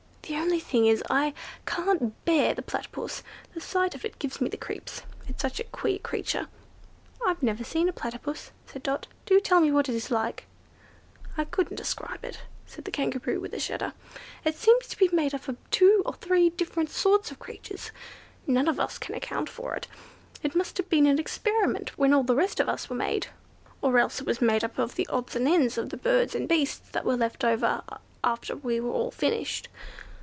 "The only thing is, I can't bear the Platypus; the sight of it gives me the creeps: it's such a queer creature!" "I've never seen a Platypus," said Dot, "do tell me what it is like!" "I couldn't describe it," said the Kangaroo, with a shudder, "it seems made up of parts of two or three different sorts of creatures. None of us can account for it. It must have been an experiment, when all the rest of us were made; or else it was made up of the odds and ends of the birds and beasts that were left over after we were all finished."